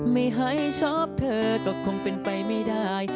ไม่ให้ชอบเธอก็คงเป็นไปไม่ได้